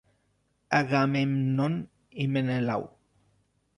Agamèmnon i Menelau.